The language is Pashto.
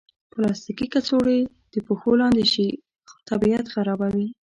پلاستيکي کڅوړې د پښو لاندې شي، طبیعت خرابوي.